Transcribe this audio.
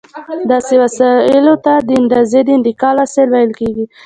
داسې وسایلو ته د اندازې د انتقال وسایل ویل کېږي.